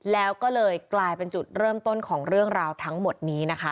แล้วก็เลยกลายเป็นจุดเริ่มต้นของเรื่องราวทั้งหมดนี้นะคะ